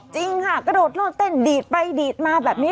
จริงค่ะกระโดดโลดเต้นดีดไปดีดมาแบบนี้